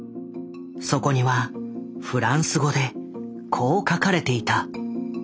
そこにはフランス語でこう書かれていた。